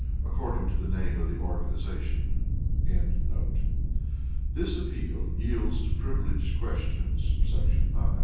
according to the name of the organization.] This Appeal yields to Privileged Questions [§ 9].